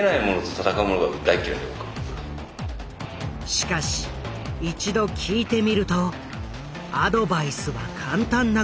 しかし一度聞いてみるとアドバイスは簡単なことだった。